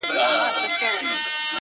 سونډان مي سوى وكړي!!